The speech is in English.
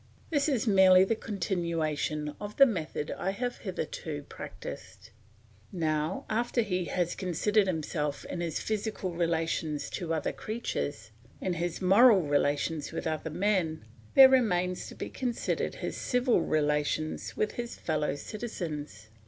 This is merely the continuation of the method I have hitherto practised. Now after he has considered himself in his physical relations to other creatures, in his moral relations with other men, there remains to be considered his civil relations with his fellow citizens.